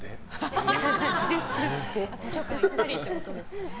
図書館に行ったりってことですよね。